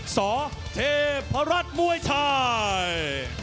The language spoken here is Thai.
สเทพรัฐมวยไทย